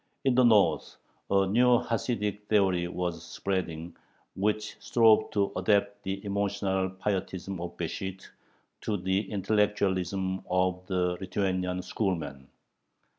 In the North a new Hasidic theory was spreading, which strove to adapt the emotional pietism of Besht to the "intellectualism" of the Lithuanian schoolmen.